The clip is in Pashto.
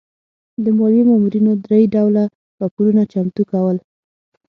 د مالیې مامورینو درې ډوله راپورونه چمتو کول.